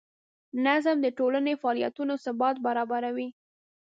نظم د ټولنې د فعالیتونو ثبات برابروي.